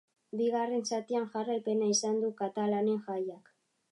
Bigarren zatian jarraipena izan du katalanen jaiak.